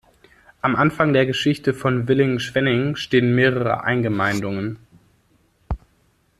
Am Anfang der Geschichte von Villingen-Schwenningen stehen mehrere Eingemeindungen.